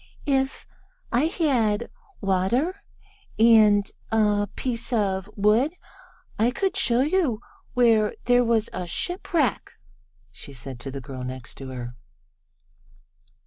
"If I had water and a piece of wood I could show you where there was a shipwreck," she said to the girl next to her.